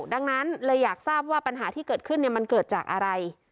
ดังนั้นเลยอยากทราบว่าปัญหาที่เกิดขึ้นมันเกิดจากอะไร